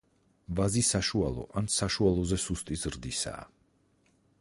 ვაზი საშუალო ან საშუალოზე სუსტი ზრდისაა.